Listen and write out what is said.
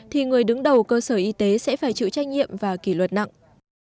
thì người đứng đầu cơ sở y tế sẽ phải chịu trách nhiệm và kỷ luật nặng